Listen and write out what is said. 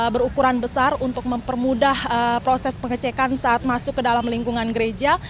berukuran besar untuk mempermudah proses pengecekan saat masuk ke dalam lingkungan gereja